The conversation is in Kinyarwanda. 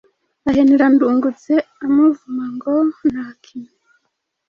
ahenera Ndungutse amuvuma ngo ntakime